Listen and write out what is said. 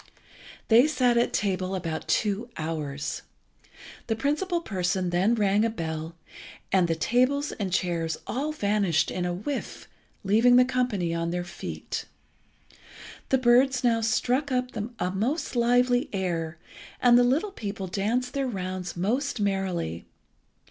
They sat at table about two hours. The principal person then rang a bell, and the tables and chairs all vanished in a whiff, leaving all the company on their feet. The birds now struck up a most lively air, and the little people danced their rounds most merrily.